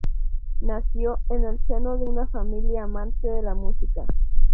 Nació en el seno de una familia amante de la música.